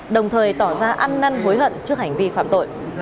đồng thời tỏ ra ăn năn hối hận trước hành vi phạm tội